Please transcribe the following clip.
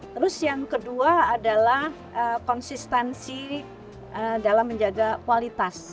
terus yang kedua adalah konsistensi dalam menjaga kualitas